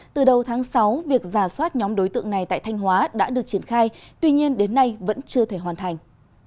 từ đầu tháng sáu việc giả soát nhóm đối tượng này tại thanh hóa đã được triển khai tuy nhiên đến nay vẫn chưa thể hoàn thành